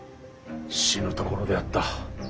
死ぬところであった。